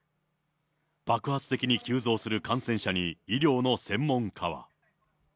爆発的に急増する感染者に、医療の専門家は。